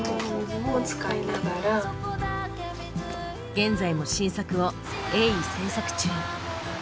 現在も新作を鋭意制作中。